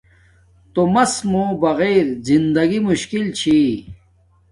تومس موں بغیر زندگی مشکل چھی